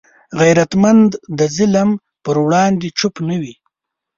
غیرتمند د ظلم پر وړاندې چوپ نه وي